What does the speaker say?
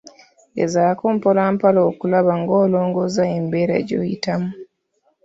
Gezaako mpolampola okulaba ng’olongosa embeera gyoyitamu.